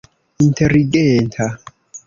inteligenta